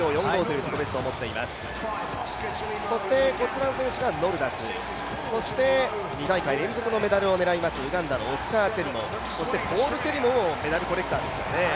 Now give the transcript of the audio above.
こちらの選手がノルダス、そして２大会連続のメダルを狙いますウガンダのオスカー・チェリモ、ポール・チェリモもメダルコレクターですからね。